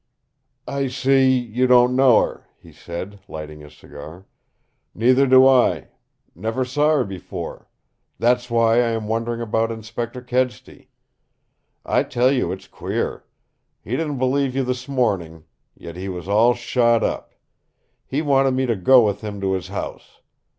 "I see you don't know her," he said, lighting his cigar. "Neither do I. Never saw her before. That's why I am wondering about Inspector Kedsty. I tell you, it's queer. He didn't believe you this morning, yet he was all shot up. He wanted me to go with him to his house.